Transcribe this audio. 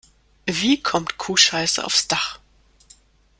Wie kommt Kuhscheiße aufs Dach?